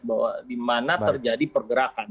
bahwa di mana terjadi pergerakan